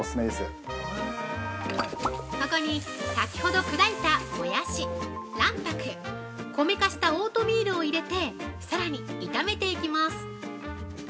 ◆ここに先ほど砕いたもやし、卵白、米化したオートミールを入れて、さらに炒めていきます。